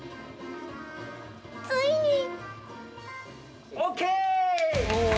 ついに。